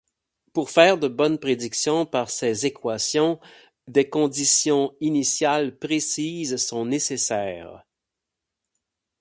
Pour faire de bonnes prédictions, par ces équations, des conditions initiales précises sont nécessaires.